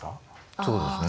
そうですね。